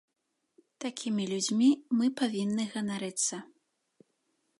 Такімі людзьмі мы павінны ганарыцца.